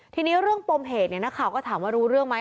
ทีนี้เรื่องปมเหตุนักข่าวก็ถามว่ารู้เรื่องไหม